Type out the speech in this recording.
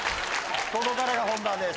ここからが本番です。